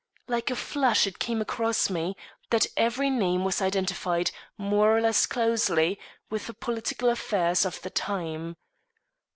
Like a flash it came across me that every name was identified, more or less closely, with the political affairs of the time.